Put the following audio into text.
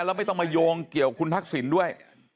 แล้วไม่ต้องมาโยงเกี่ยวคุณทักษิณด้วย